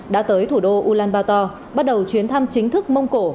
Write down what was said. đã tới thủ đô ulaanbaator bắt đầu chuyến thăm chính thức mông cổ